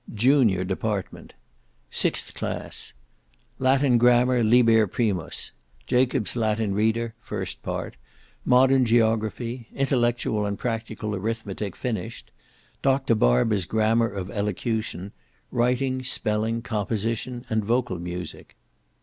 JUNIOR DEPARTMENT Sixth Class Latin Grammar, Liber Primus; Jacob's Latin Reader, (first part); Modern Geography; Intellectual and Practical Arithmetic finished; Dr. Barber's Grammar of Elocution; Writing, Spelling, Composition, and Vocal Music.